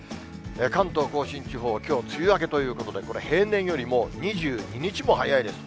関東甲信地方、きょう、梅雨明けということで、これ、平年よりも２２日も早いです。